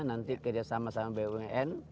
nanti kerjasama sama bwn